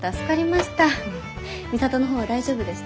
巳佐登の方は大丈夫でした？